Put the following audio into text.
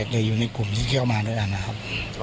ได้ครับ